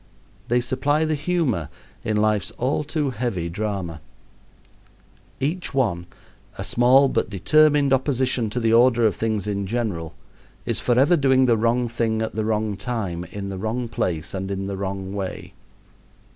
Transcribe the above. They supply the humor in life's all too heavy drama. Each one, a small but determined opposition to the order of things in general, is forever doing the wrong thing at the wrong time, in the wrong place and in the wrong way.